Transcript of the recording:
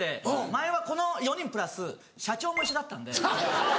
前はこの４人プラス社長も一緒だったんで。